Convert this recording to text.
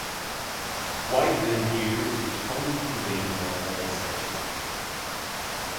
Why didn't you respond to the email that I sent you?